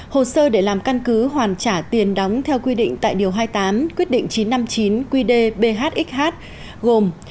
hồ sơ để làm căn cứ hoàn trả tiền đóng theo quy định tại điều hai mươi tám quyết định chín trăm năm mươi chín qdbhxh gồm